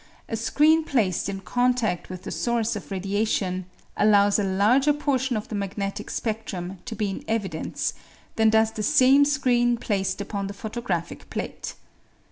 4, a screen placed in contadl with the source of radiation allows a larger portion of the magnetic speClrum to be in evidence than does the same screen placed upon the photographic plate.